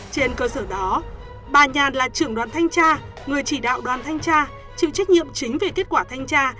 trên cơ sở đó bà nhàn là trưởng đoàn thanh tra người chỉ đạo đoàn thanh tra chịu trách nhiệm chính về kết quả thanh tra